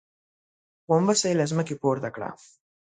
غومبسه يې له ځمکې پورته کړه.